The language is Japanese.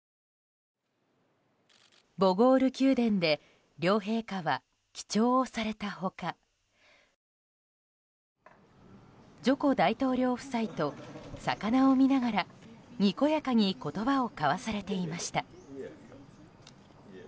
ボゴール宮殿で両陛下は記帳をされた他ジョコ大統領夫妻と魚を見ながらにこやかに言葉を交わされていました。